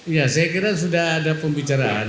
ya saya kira sudah ada pembicaraan